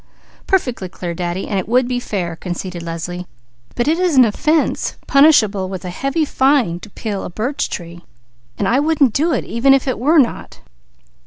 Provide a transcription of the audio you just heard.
"Perfectly clear, Daddy, and it would be fair," conceded Leslie. "But it is an offence punishable with a heavy fine to peel a birch tree; while I wouldn't do it, if it were not."